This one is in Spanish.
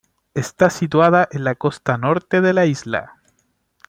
Está situada en la costa norte de la isla.